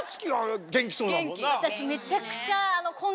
私めちゃくちゃ。